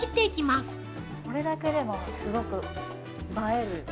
◆これだけでも、すごく映える。